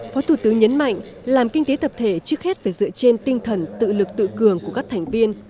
phó thủ tướng nhấn mạnh làm kinh tế tập thể trước hết phải dựa trên tinh thần tự lực tự cường của các thành viên